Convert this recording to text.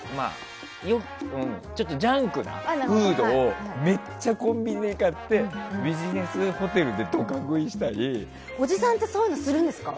ちょっとジャンクなフードをめっちゃコンビニで買ってビジネスホテルでおじさんってそういうの、するんですか。